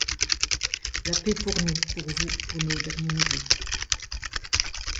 La paix -pour nous, pour vous, pour nos derniers neveux ;